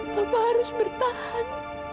papa harus bertahan